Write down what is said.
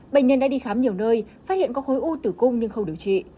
bệnh nhân đã đi khám nhiều nơi phát hiện có khối u tử cung nhưng không điều trị